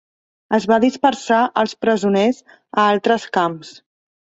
Es va dispersar els presoners a altres camps.